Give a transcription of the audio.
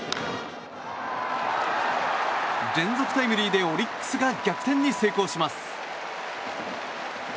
連続タイムリーでオリックスが逆転に成功します。